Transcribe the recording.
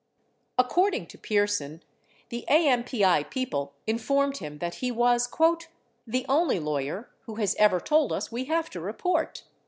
According to Pierson, the AMPI people informed him that he was "the only lawyer who has ever told us we have to report."